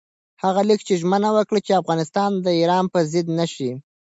هغه لیک کې ژمنه وکړه چې افغانستان د ایران پر ضد نه شي.